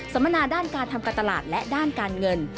มนาด้านการทำการตลาดและด้านการเงิน